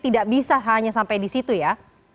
tidak bisa hanya sampai di situ ya